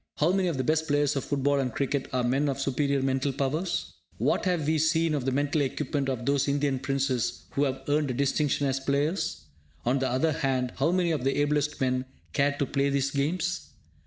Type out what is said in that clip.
How many of the best players of football and cricket are men of superior mental powers? What have we seen of the mental equipment of those Indian Princes who have earned a distinction as players? On the other hand, how many of the ablest men care to play these games?